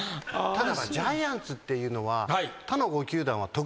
ただジャイアンツっていうのは。